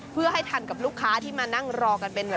เพื่อให้ทันกับลูกค้าที่มานั่งรอกันเป็นแบบ